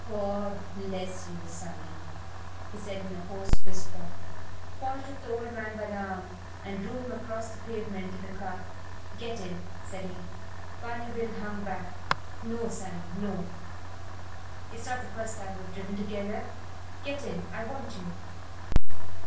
"God bless you, sonny," he said in a hoarse whisper. Paul took the old man by the arm and drew him across the pavement to the car. "Get in," said he. Barney Bill hung back. "No, sonny; no." "It's not the first time we've driven together. Get in. I want you."